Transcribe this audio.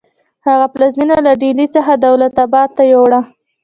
هغه پلازمینه له ډیلي څخه دولت اباد ته یوړه.